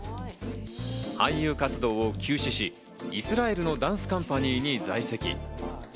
俳優活動を休止し、イスラエルのダンスカンパニーに在籍。